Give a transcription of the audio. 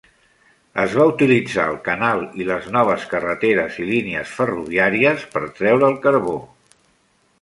Es va utilitzar el canal i les noves carreteres i línies ferroviàries per treure el carbó.